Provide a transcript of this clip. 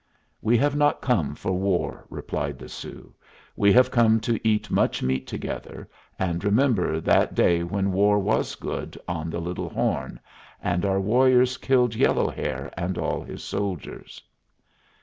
"We have not come for war," replied the Sioux. "We have come to eat much meat together, and remember that day when war was good on the Little Horn, and our warriors killed Yellow Hair and all his soldiers."